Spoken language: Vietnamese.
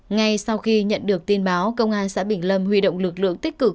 ngay sau khi nhận được tin báo công an xã bình lâm huy động lực lượng tích cực